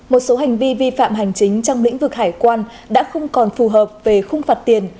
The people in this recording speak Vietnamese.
một số hành vi vi phạm hành chính trong lĩnh vực hải quan đã không còn phù hợp về khung phạt tiền